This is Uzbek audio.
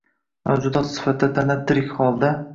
Mavjudot sifatida tana tirik holda.